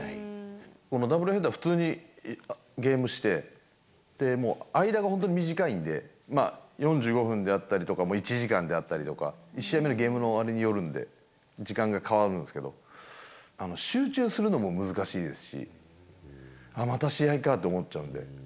ダブルヘッダー、普通にゲームして、でもう、間が本当短いんで、４５分であったりとか、１時間であったりとか、１試合目のゲームのあれによるんで、時間が変わるんですけど、集中するのも難しいですし、あっ、また試合かって思っちゃうんで。